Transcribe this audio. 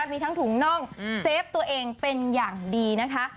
มีทั้งถุงน่องเซฟตัวเองเป็นอย่างดีนะคะ